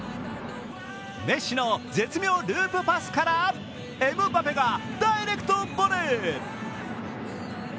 メッシの絶妙ループパスからエムバペがダイレクトボレー。